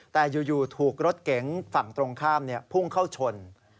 แต่อยู่ถูกรถเก๋งฝั่งตรงข้ามพุ่งเข้าชน